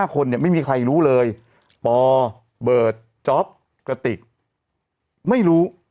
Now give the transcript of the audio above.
คนไม่มีใครรู้เลยบอบอดกระติกไม่รู้